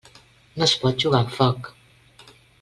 No es pot jugar amb foc.